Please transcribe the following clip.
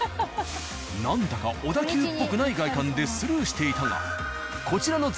何だか小田急っぽくない外観でスルーしていたがこちらの